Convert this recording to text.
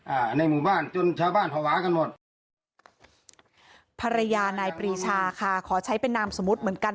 ในหมู่บ้านจนชาวบ้านภาวะกันหมดภรรยานายปรีชาค่ะขอใช้เป็นนามสมมุติเหมือนกัน